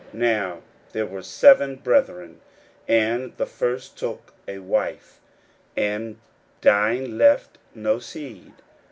41:012:020 Now there were seven brethren: and the first took a wife, and dying left no seed.